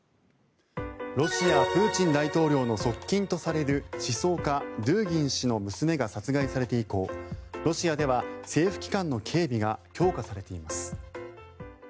ロシアプーチン大統領の側近とされる思想家、ドゥーギン氏の娘が殺害されて以降ロシアでは政府機関の警備が強化されています。